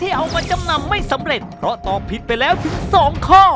เอามาจำนำไม่สำเร็จเพราะตอบผิดไปแล้วถึงสองข้อ